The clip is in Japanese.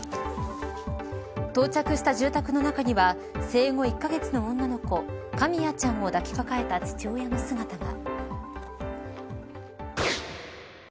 到着した住宅の中には生後１カ月の女の子カミヤちゃんを抱きかかえた父親の姿が。